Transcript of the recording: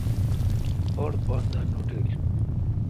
اوڈ پان دا نوٹل۔